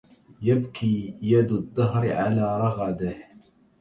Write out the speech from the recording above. يبكي يد الدهرِ على رَغده